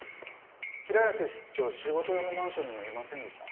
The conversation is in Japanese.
平安室長仕事用のマンションにもいませんでした。